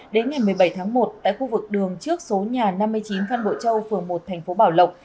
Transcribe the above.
đến ngày một mươi bảy tháng một tại khu vực đường trước số nhà năm mươi chín phan bội châu phường một thành phố bảo lộc